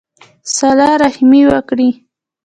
صلہ رحمي وکړئ